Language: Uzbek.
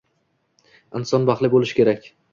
Inson baxtli bo`lishi kerak